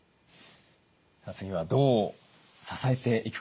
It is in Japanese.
次はどう支えていくかです。